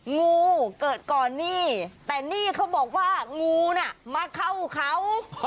งูเกิดก่อนนี่แต่นี่เขาบอกว่างูน่ะมาเข้าเขา